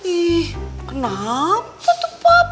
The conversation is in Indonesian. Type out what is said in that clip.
ih kenapa tuh pak